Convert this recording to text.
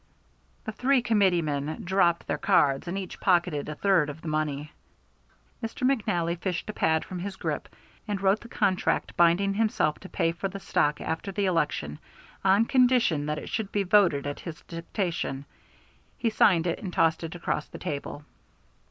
The three Committeemen dropped their cards and each pocketed a third of the money. Mr. McNally fished a pad from his grip and wrote the contract binding himself to pay for the stock after the election on condition that it should be voted at his dictation. He signed it, and tossed it across the table.